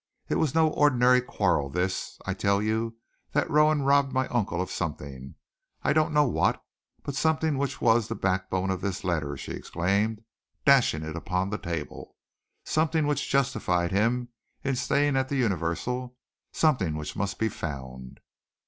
It was no ordinary quarrel, this. I tell you that Rowan robbed my uncle of something I don't know what but something which was the backbone of this letter!" she exclaimed, dashing it upon the table, "something which justified him in staying at the Universal, something which must be found!"